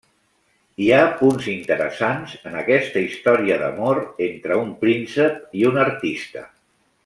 Hi ha punts interessants en aquesta història d'amor entre un príncep i una artista.